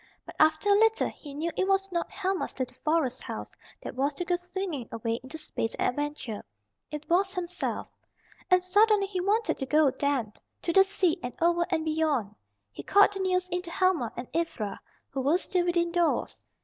But after a little he knew it was not Helma's little forest house that was to go swinging away into space and adventure, it was himself. And suddenly he wanted to go then, to the sea and over and beyond. He called the news in to Helma and Ivra, who were still within doors.